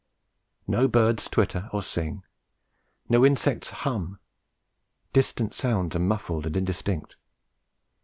No birds twitter or sing, no insects hum, distant sounds are muffled and indistinct.